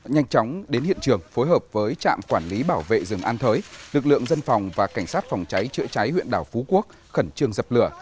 nhanh chóng đến hiện trường phối hợp với trạm quản lý bảo vệ rừng an thới lực lượng dân phòng và cảnh sát phòng cháy chữa cháy huyện đảo phú quốc khẩn trương dập lửa